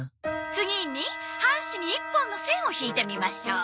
次に半紙に一本の線を引いてみましょう。